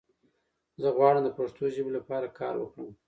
زۀ غواړم د پښتو ژبې لپاره کار وکړم!